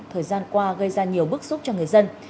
thời gian qua gây ra nhiều bức xúc cho người dân